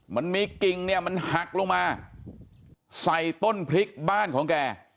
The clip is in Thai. มันมีกิ่งเนี่ยมันหักลงมาใส่ต้นพริกบ้านของแก